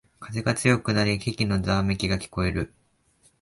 風が強くなり木々のざわめきが聞こえてくる